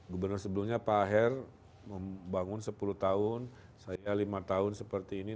gubernur sebelumnya pak aher membangun sepuluh tahun saya lima tahun seperti ini